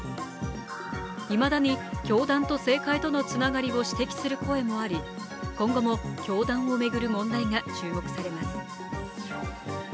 いまだに教団と政界とのつながりを指摘する声もあり、今後も教団を巡る問題が注目されます。